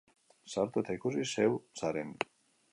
Sartu eta ikusi zeu zaren.